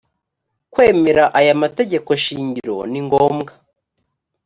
kwemera aya mategeko shingiro ni ngombwa